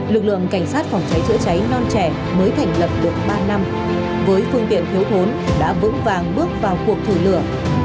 lực lượng cảnh sát phòng cháy chữa cháy non trẻ mới thành lập được ba năm với phương tiện thiếu thốn đã vững vàng bước vào cuộc thử lửa